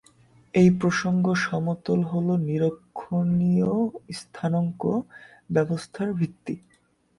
এই প্রসঙ্গ সমতল হল নিরক্ষীয় স্থানাঙ্ক ব্যবস্থার ভিত্তি।